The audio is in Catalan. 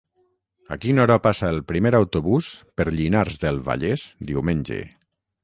A quina hora passa el primer autobús per Llinars del Vallès diumenge?